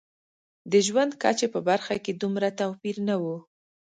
د ژوند کچې په برخه کې دومره توپیر نه و.